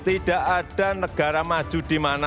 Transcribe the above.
tidak ada negara maju di mana